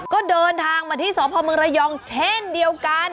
ก็เดินทางมาที่สพเมืองระยองเช่นเดียวกัน